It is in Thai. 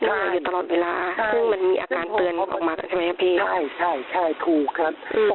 ได้อยู่ตลอดเวลาใช่มันมีอาการเตือนออกมาใช่ไหมครับพี่ใช่ใช่ใช่ถูกครับอืม